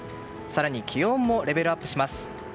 更に気温もレベルアップします。